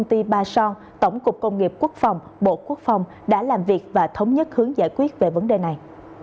tổng cục công nghiệp quốc phòng bộ quốc phòng đã làm việc và thống nhất hướng giải quyết về vấn đề này